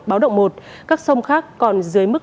báo động một các sông khác còn dưới mức